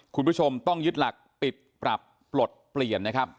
คุณผู้ชมต้องยึดหลักปิดปรับปลดเปลี่ยนนะครับ